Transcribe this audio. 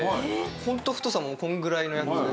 ホント太さもこのぐらいのやつ。